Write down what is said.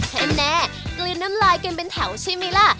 แห่งแน่กลินน้ำลายกันเป็นแถวใช่มีล่ะ